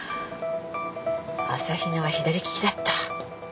朝比奈は左利きだった。